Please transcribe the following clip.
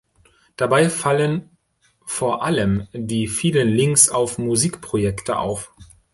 Dabei fallen vor allem die vielen Links auf Musikprojekte auf.